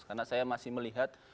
karena saya masih melihat